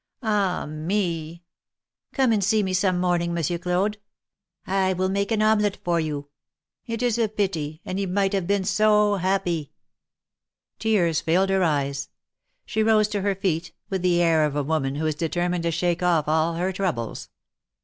Ah, me ! Come and see me some morning, Monsieur Claude. I will make an omelette for you. It is a pity, and he might have been so happy !" 310 THE MARKETS OF PARIS. Tears filled her eyes. She rose to her feet, with the air of a woman who is determined to shake off all her troubles.